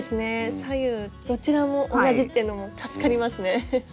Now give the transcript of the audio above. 左右どちらも同じっていうのも助かりますね。